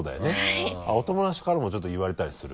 あっお友達からもちょっと言われたりする？